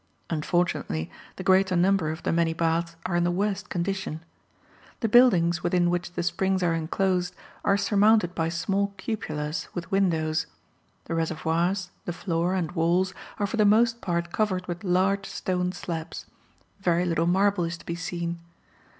Unfortunately, the greater number of the many baths are in the worst condition. The buildings, within which the springs are enclosed, are surmounted by small cupolas with windows. The reservoirs, the floor, and walls, are for the most part covered with large stone slabs; very little marble is to be seen.